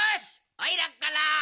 おいらから！